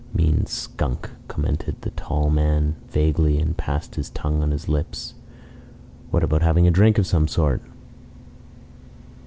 "Mean skunk!" commented the tall man, vaguely, and passed his tongue on his lips. "What about having a drink of some sort?"